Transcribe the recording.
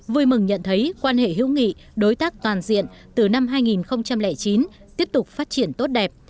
vui mừng nhận thấy quan hệ hữu nghị đối tác toàn diện từ năm hai nghìn chín tiếp tục phát triển tốt đẹp